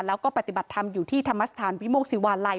แล้วก็ปฏิบัติธรรมอยู่ที่ธรรมสถานวิโมกศิวาลัย